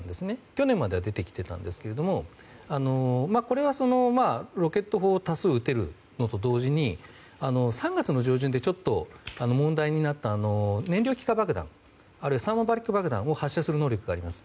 去年までは出てきたんですがこれがロケット砲を多数撃てるのと同時に３月上旬に問題になった燃料気化爆弾やサーモリック爆弾を発射する能力があります。